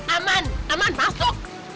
aman aman masuk